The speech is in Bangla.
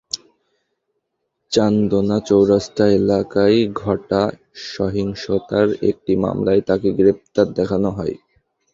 চান্দনা চৌরাস্তা এলাকায় ঘটা সহিংসতার একটি মামলায় তাঁকে গ্রেপ্তার দেখানো হয়।